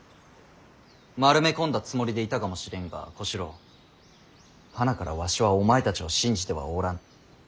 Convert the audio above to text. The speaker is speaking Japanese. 丸め込んだつもりでいたかもしれんが小四郎はなからわしはお前たちを信じてはおらぬ。